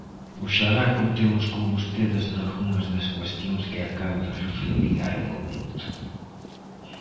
Oxalá contemos con vostedes nalgunhas das cuestións que acabo de reflectir hai un momento.